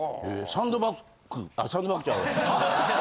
サンドバッグ！？